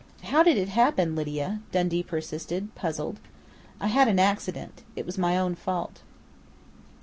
"How did it happen, Lydia?" Dundee persisted, puzzled. "I had an accident. It was my own fault."